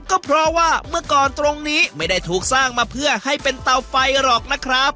ก็เพราะว่าเมื่อก่อนตรงนี้ไม่ได้ถูกสร้างมาเพื่อให้เป็นเตาไฟหรอกนะครับ